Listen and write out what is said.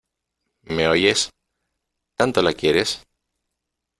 ¿ me oyes ?¿ tanto la quieres ?